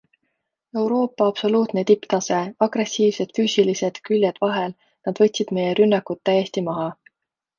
Euroopa absoluutne tipptase - agressiivsed, füüsilised, küljed vahel - nad võtsid meie rünnakud täiesti maha.